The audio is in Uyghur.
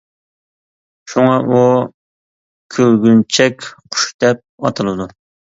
شۇڭا، ئۇ «كۈلگۈنچەك قۇش» دەپ ئاتىلىدۇ.